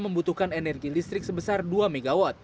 membutuhkan energi listrik sebesar dua mw